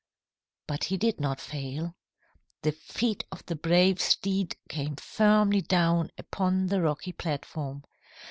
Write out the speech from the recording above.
"But he did not fail. The feet of the brave steed came firmly down upon the rocky platform.